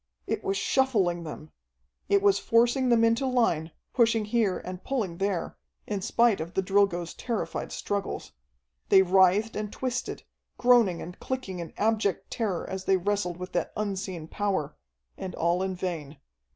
It was shuffling them! It was forcing them into line, pushing here and pulling there, in spite of the Drilgoes' terrified struggles. They writhed and twisted, groaning and clicking in abject terror as they wrestled with that unseen power, and all in vain.